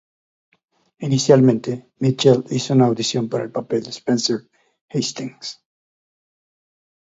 Inicialmente, Mitchell hizo una audición para el papel de Spencer Hastings.